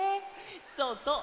そうそう！